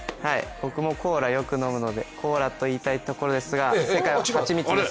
僕もコーラよく飲むので、コーラといいたいところですが正解は、はちみつです。